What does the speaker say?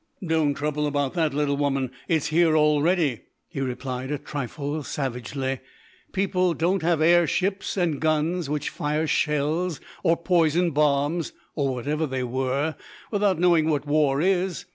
"Don't trouble about that, little woman, it's here already," he replied, a trifle savagely. "People don't have air ships and guns which fire shells or poison bombs, or whatever they were, without knowing what war is.